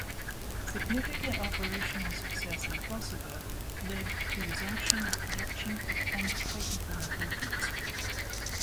Significant operational success in Kosovo led to resumption of production and technical improvements.